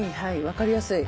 分かりやすい。